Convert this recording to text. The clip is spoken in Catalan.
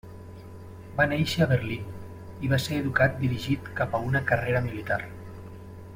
Va néixer a Berlín, i va ser educat dirigit cap a una carrera militar.